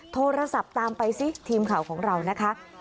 โทรศัพท์ตามไปซิทีมข่าวของเรานะคะ